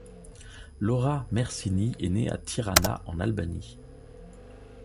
Laura Mersini est née à Tirana, en Albanie.